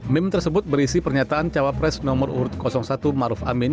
meme tersebut berisi pernyataan cawapres nomor urut satu maruf amin